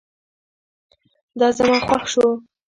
دا زما خوښ شو